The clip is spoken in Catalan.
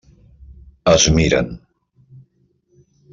Es miren.